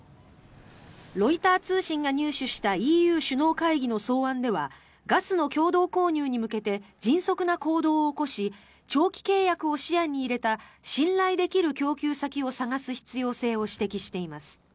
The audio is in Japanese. ロイター通信が入手したＥＵ首脳会議の草案ではガスの共同購入に向けて迅速な行動を起こし長期契約を視野に入れた信頼できる供給先を探す必要性を指摘しています。